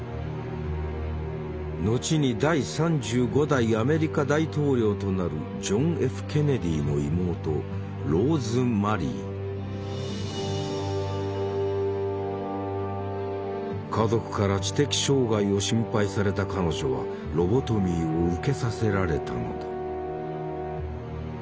後に第３５代アメリカ大統領となるジョン・Ｆ・ケネディの妹家族から知的障害を心配された彼女はロボトミーを受けさせられたのだ。